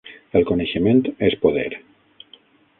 El coneixement és poder.